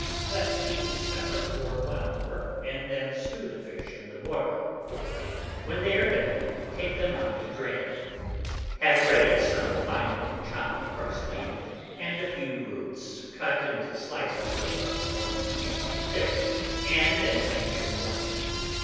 Let these simmer for 1 hour, and then stew the fish in this water. When they are done, take them out to drain, have ready some finely chopped parsley, and a few roots cut into slices of about one inch thick and an inch in length.